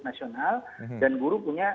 nasional dan guru punya